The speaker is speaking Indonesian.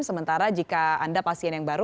sementara jika anda pasien yang baru